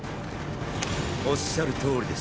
おっしゃるとおりです！